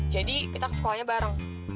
jadi kita ke sekolahnya bareng